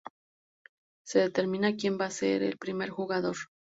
Se determina quien va a ser el primer jugador.